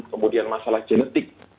kemudian masalah genetik